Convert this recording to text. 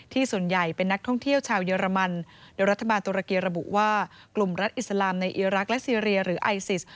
ส่วนใหญ่เป็นนักท่องเที่ยวชาวเยอรมันโดยรัฐบาลตุรกีระบุว่ากลุ่มรัฐอิสลามในอีรักษ์และซีเรียหรือไอซิส